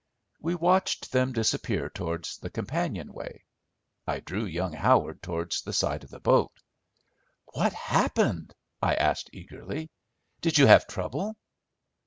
We watched them disappear towards the companion way. I drew young Howard towards the side of the boat. "What happened?" I asked eagerly. "Did you have trouble?"